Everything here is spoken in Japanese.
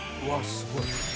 すごい。